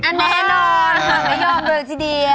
อ่าแน่นอนหัวไม่ยอมเลยทีเดียว